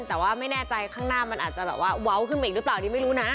แต่ว่าไม่แน่ใจข้างหน้ามันอาจจะแบบว่าเว้าขึ้นมาอีกหรือเปล่านี่ไม่รู้นะ